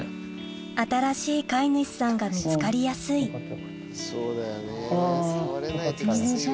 新しい飼い主さんが見つかりやすいあぁよかった。